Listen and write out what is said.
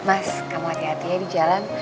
mas kamu hati hatinya di jalan